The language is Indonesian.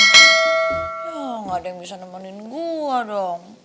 hah gak ada yang bisa nemenin gue dong